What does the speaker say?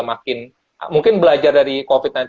makin mungkin belajar dari covid sembilan belas